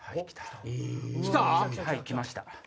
来た⁉はい来ました。